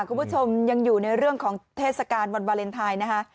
คุณผู้ชมยังอยู่ในเรื่องของเทศกาลวันวาเลนไทยนะคะ